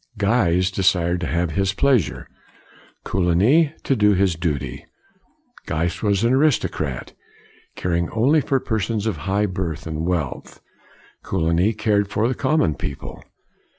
Guise desired to have his pleasure; Coligny to do his duty. Guise was an aristocrat, caring only for persons of high birth and wealth; Coligny cared for the common people.